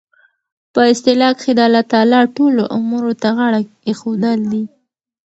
په اصطلاح کښي د الله تعالی ټولو امورو ته غاړه ایښودل دي.